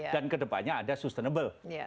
dan kedepannya ada sustainable